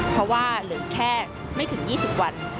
เพราะว่าเหลือแค่ไม่ถึง๒๐วัน